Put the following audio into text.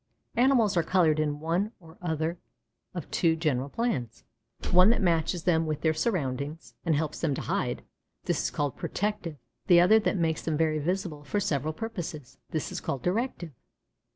Animals are colored in one or other of two general plans: one that matches them with their surroundings and helps them to hide this is called "protective"; the other that makes them very visible for several purposes this is called "directive."